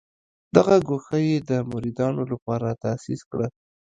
دغه ګوښه یې د مریدانو لپاره تاسیس کړه.